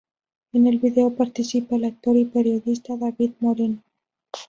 En el vídeo participa el actor y periodista David Moreno.